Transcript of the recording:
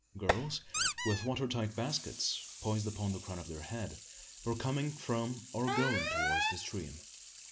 Girls, with water tight baskets, poised upon the crown of the head, were coming from or going towards the stream.